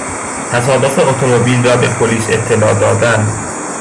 تصادف اتومبیل را به پلیس اطلاع دادن